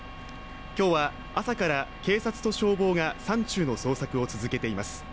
今日は朝から、警察と消防が山中の捜索を続けています。